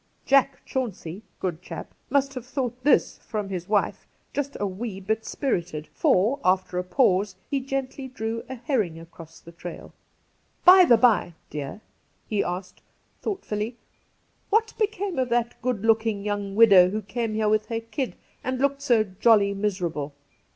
,# Jack Chauncey — good chap !— must have thought this from his wife just a wee bit spirited, 138 Cassidy for, after a pause, he gently drew a herring across the trail. ' By the by, dear,' he asked thoughtfully, ' what became of that good looking young widow who came here with her kid and looked so jolly miserable